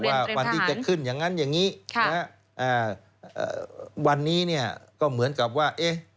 วันที่จะขึ้นอย่างนั้นอย่างนี้วันนี้เนี่ยก็เหมือนกับว่าเอ๊ะ